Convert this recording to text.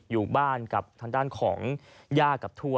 อยู่บ้านกับทางด้านของย่ากับทัวร์